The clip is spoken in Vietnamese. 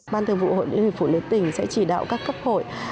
ban thường vụ hội liên hiệp phụ nữ tỉnh sẽ chỉ đạo các cấp hội